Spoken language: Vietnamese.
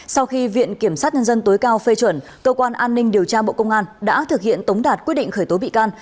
sau khi viện kiểm sát nhân dân tối cao phê chuẩn cơ quan an ninh điều tra bộ công an đã thực hiện tống đạt quyết định khởi tố bị can